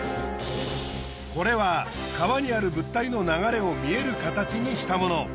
これは川にある物体の流れを見える形にしたもの。